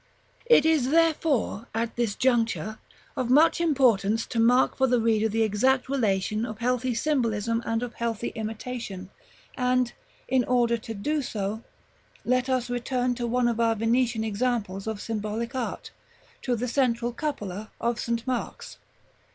§ X. It is therefore, at this juncture, of much importance to mark for the reader the exact relation of healthy symbolism and of healthy imitation; and, in order to do so, let us return to one of our Venetian examples of symbolic art, to the central cupola of St. Mark's.